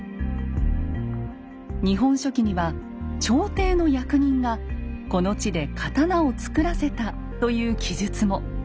「日本書紀」には朝廷の役人がこの地で刀を作らせたという記述も。